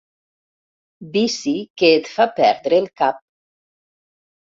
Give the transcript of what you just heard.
Vici que et fa perdre el cap.